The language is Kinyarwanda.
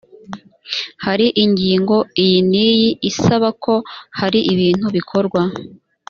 hari ingingo iyi n’iyi isabako hari ibintu bikorwa